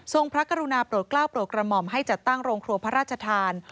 พระกรุณาโปรดกล้าวโปรดกระหม่อมให้จัดตั้งโรงครัวพระราชทาน